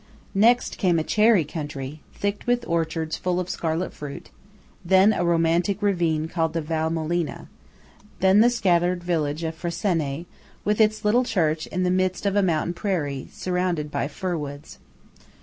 Next came a cherry country, thick with orchards full of scarlet fruit–then a romantic ravine called the Val Molina–then the scattered village of Frassene, with its little church in the midst of a mountain prairie, surrounded by firwoods.